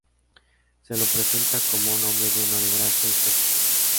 Se lo presenta como un hombre lleno de gracia y fuerza.